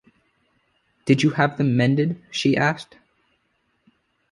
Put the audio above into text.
“Did you have them mended?” she asked.